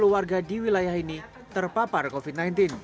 sepuluh warga di wilayah ini terpapar covid sembilan belas